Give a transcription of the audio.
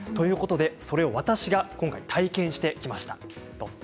それを私が今回体験してきました。